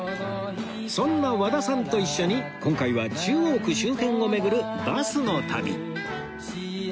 そんな和田さんと一緒に今回は中央区周辺を巡るバスの旅